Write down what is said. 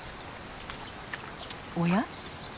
おや？